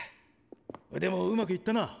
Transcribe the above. でもうまくいったな。